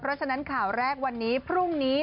เพราะฉะนั้นข่าวแรกวันนี้พรุ่งนี้